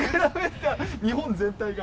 日本全体が？